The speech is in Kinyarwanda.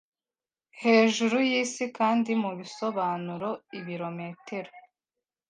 hejuru yisi kandi mubisobanuro ibirometero